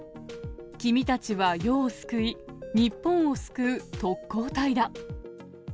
君たちは世を救い、日本を救う特攻隊だ。